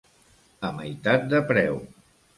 A meitat de preu.